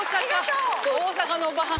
大阪のおばはん。